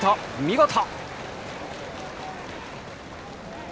見事！